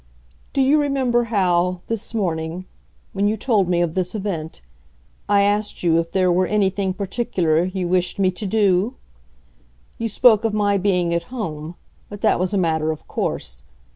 "Do you remember how, this morning, when you told me of this event, I asked you if there were anything particular you wished me to do? You spoke of my being at home, but that was a matter of course.